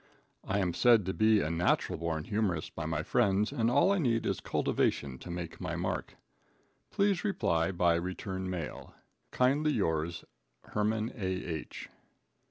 I am said to be a Natural Born Humorist by my friends and all I need is Cultivation to make my mark. Please reply by return mail. Kindly Yours Herman A.H.